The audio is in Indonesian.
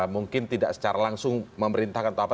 mungkin tidak secara langsung memerintahkan atau apa